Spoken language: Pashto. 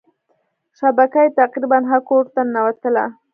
شبکه یې تقريبا هر کورته ننوتله.